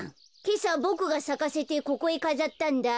けさボクがさかせてここへかざったんだ。